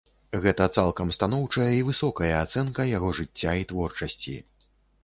Гэта цалкам станоўчая і высокая ацэнка яго жыцця і творчасці.